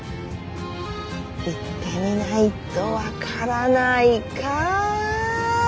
行ってみないと分からないか！